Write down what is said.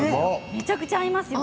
めちゃくちゃ合いますよ。